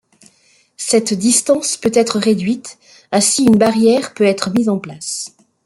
Cette distance peut être réduite à si une barrière peut être mise en place.